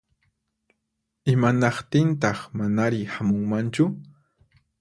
Imanaqtintaq manari hamunmanchu?